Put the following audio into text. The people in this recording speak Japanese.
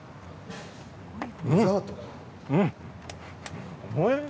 うん！